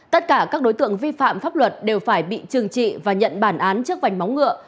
tất cả các đối tượng vi phạm pháp luật đều phải bị trừng trị và nhận bản án trước vành móng ngựa